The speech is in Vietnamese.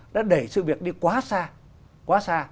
đã đẩy sự việc đi quá xa